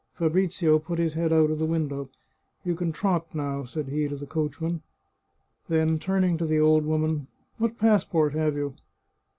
Fabrizio put his head out of the window. " You can trot now," said he to the coachman. Then, turning to the old woman, " What passport have you